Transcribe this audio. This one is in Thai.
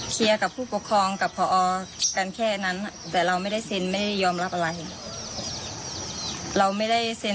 เคียร์กับผู้ปกครองกับพอกันแค่นั้น